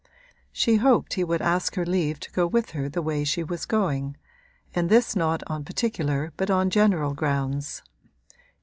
She hoped he would ask her leave to go with her the way she was going and this not on particular but on general grounds.